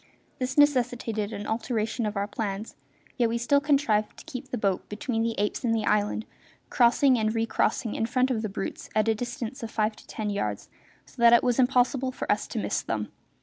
This necessitated an alteration of our plans, yet we still contrived to keep the boat between the apes and the island, crossing and recrossing in front of the brutes at a distance of five to ten yards, so that it was impossible for us to miss them.